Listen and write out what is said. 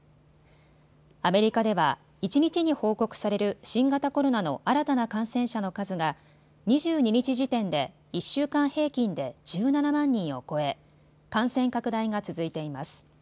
アメリカでは一日に報告される新型コロナの新たな感染者の数が２２日時点で１週間平均で１７万人を超え感染拡大が続いています。